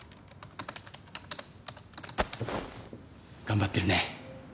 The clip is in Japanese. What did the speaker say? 頑張ってるね。